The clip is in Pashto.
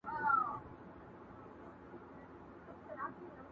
امر دی د پاک یزدان ګوره چي لا څه کیږي.!